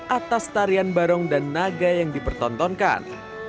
atas tarian barong dan naga yang dipertontonkan